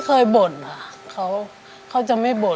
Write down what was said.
เรียกกันว่าไม่ว่าจะงานข้างนอกหรือการดูแลภรยาก็ทำแบบสุดตัว